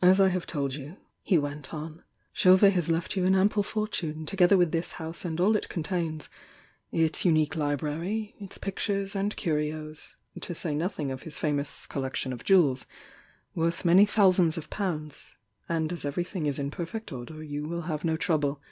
"As I have told you, he went on, "Chau vet has left you an ample fortune, together wiUi this house and all it conta:ns — its unique hbrary, its pic tures and curios, to say nothing of his famous col lection of jewels, worth manv thousands of pounds — and as everything is in perfect order you will have no trouble.